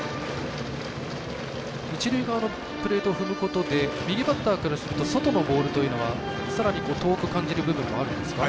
一塁側のプレートを踏むことで右バッターからすると外のボールというのはさらに遠く感じる部分もあるんでしょうか。